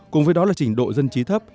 cùng với đó là trình độ dân trí thấp